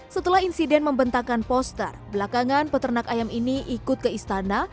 setelah insiden membentakan poster belakangan peternak ayam ini ikut ke istana